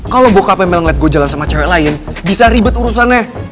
kalau bocape mel ngeliat gue jalan sama cewek lain bisa ribet urusannya